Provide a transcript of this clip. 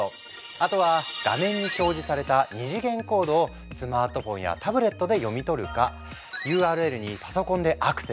あとは画面に表示された二次元コードをスマートフォンやタブレットで読み取るかＵＲＬにパソコンでアクセス！